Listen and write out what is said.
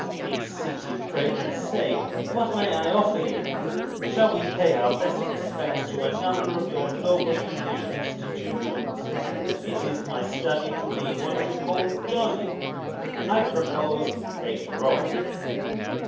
Be seated, pray and say, what may I offer you? Shall we pay our best respects to another of your noble English institutions? It is my study to be, what you call, jolly. I propose a grog."